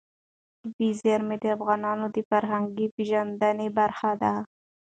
طبیعي زیرمې د افغانانو د فرهنګي پیژندنې برخه ده.